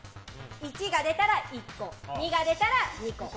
１が出たら１本、２が出たら２本。